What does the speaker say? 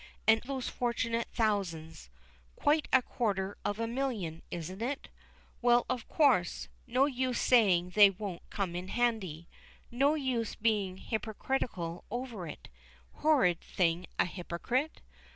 And those fortunate thousands! Quite a quarter of a million, isn't it? Well, of course, no use saying they won't come in handy no use being hypocritical over it horrid thing a hypocrite!